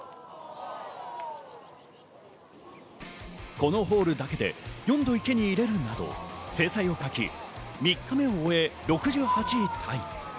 このホールだけで４度池に入れるなど精彩を欠き、３日目も終え、６８位タイ。